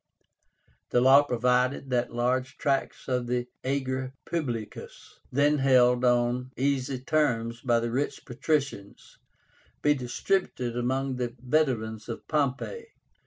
The law provided that large tracts of the ager publicus, then held on easy terms by the rich patricians, be distributed among the veterans of Pompey.